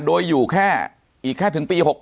โดยอยู่แค่อีกแค่ถึงปี๖๖